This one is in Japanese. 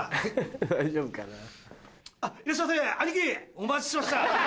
お待ちしてました！